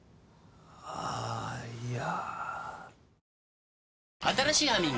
あーいや。